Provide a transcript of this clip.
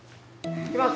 いきます